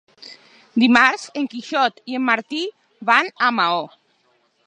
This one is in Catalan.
Dimarts en Quixot i en Martí van a Maó.